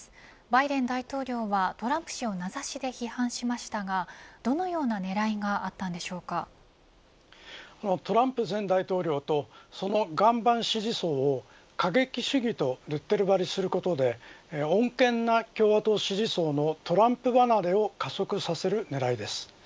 バイデン大統領はトランプ氏を名指しで批判しましたがどのような狙いがトランプ前大統領とその岩盤支持層を過激主義とレッテル貼りすることで穏健な共和党支持層のトランプ離れを加速させる狙いです。